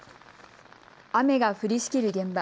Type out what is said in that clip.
雨が降りしきる現場。